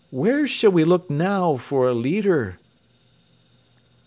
"Where shall we look now for a leader?"